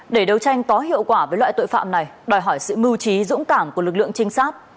để đấu tranh có hiệu quả với loại tội phạm này đòi hỏi sự mưu trí dũng cảm của lực lượng trinh sát